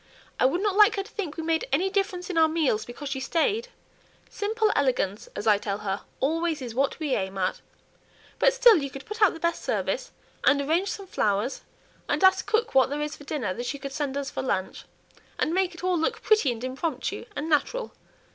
I would not like her to think we made any difference in our meals because she stayed. 'Simple elegance,' as I tell her, 'always is what we aim at.' But still you could put out the best service, and arrange some flowers, and ask cook what there is for dinner that she could send us for lunch, and make it all look pretty, and impromptu, and natural.